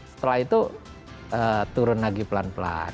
setelah itu turun lagi pelan pelan